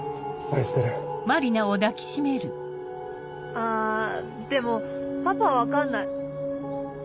あでもパパは分かんない。